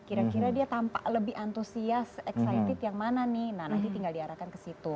kira kira dia tampak lebih antusias excited yang mana nih nah nanti tinggal diarahkan ke situ